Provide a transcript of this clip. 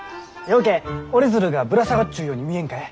うけ折り鶴がぶら下がっちゅうように見えんかえ？